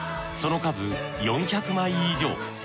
その数４００枚以上。